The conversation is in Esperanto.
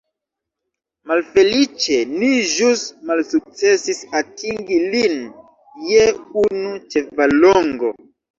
Malfeliĉe ni ĵus malsukcesis atingi lin je unu ĉevallongo.